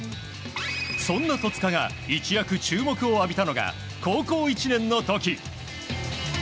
そんな戸塚が一躍注目を浴びたのが高校１年の時。